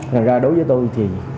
nên ra đối với tôi thì